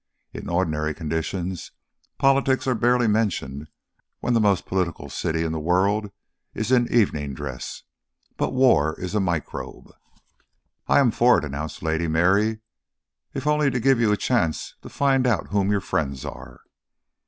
In ordinary conditions politics are barely mentioned when the most political city in the world is in evening dress, but war is a microbe. "I am for it," announced Lady Mary, "if only to give you a chance to find out whom your friends are."